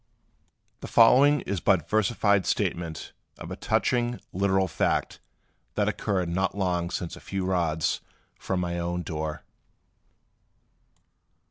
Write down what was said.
The following is but versified statement of a touching, literal fact that occurred not long since a few rods from my own door.